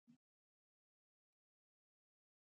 مړه ته د ستړي ژوند تسکین غواړو